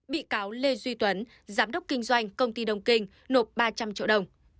bị cáo lê duy tuấn giám đốc kinh doanh công ty đông kinh nộp ba trăm linh triệu đồng